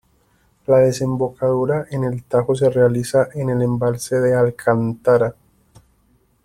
La desembocadura en el Tajo se realiza en el embalse de Alcántara.